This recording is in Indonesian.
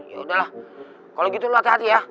yaudahlah kalo gitu lo hati hati ya